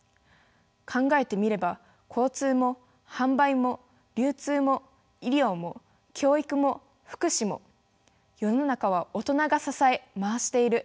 考えてみれば交通も販売も流通も医療も教育も福祉も世の中は大人が支え回している。